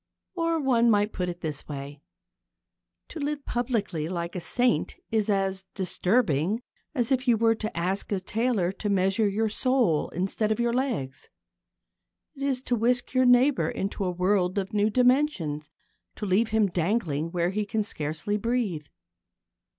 Or one might put it this way. To live publicly like a saint is as disturbing as if you were to ask a tailor to measure your soul instead of your legs. It is to whisk your neighbour into a world of new dimensions to leave him dangling where he can scarcely breathe.